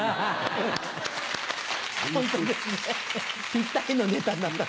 ぴったりのネタになった。